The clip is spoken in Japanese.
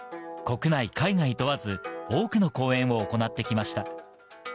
国内海外問わず、多くの公演を行ってきました。